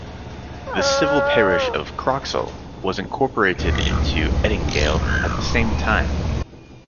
The civil parish of Croxall was incorporated into Edingale at the same time.